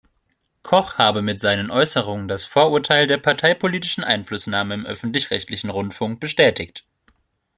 Koch habe mit seinen Äußerungen das Vorurteil der parteipolitischen Einflussnahme im öffentlich-rechtlichen Rundfunk bestätigt.